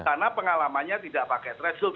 karena pengalamannya tidak pakai threshold